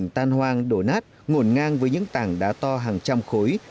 nhưng cảnh tan hoang đổ nát ngổn ngang với những tảng đá to hàng trăm khối